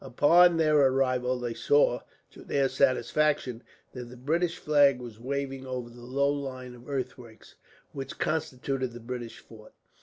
Upon their arrival they saw, to their satisfaction, that the British flag was waving over the low line of earthworks, which constitute the British fort.